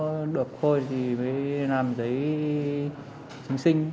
nếu được thôi thì mới làm giấy chứng sinh